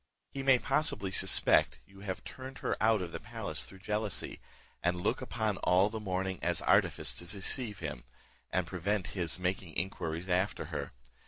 He may, possibly, suspect you have turned her out of the palace through jealousy, and look upon all the mourning as an artifice to deceive him, and prevent his making inquiries after her.